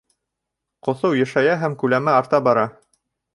- ҡоҫоу йышая һәм күләме арта бара